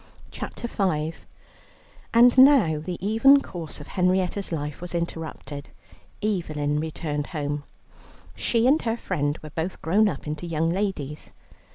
CHAPTER V And now the even course of Henrietta's life was interrupted. Evelyn returned home. She and her friend were both grown up into young ladies.